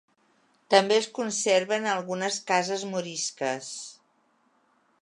També es conserven algunes cases morisques.